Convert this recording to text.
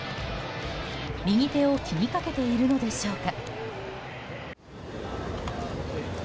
右手を気にかけているのでしょうか。